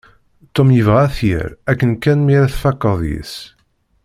Tom yebɣa ad t-yerr akken kan mi ara tfakkeḍ yess.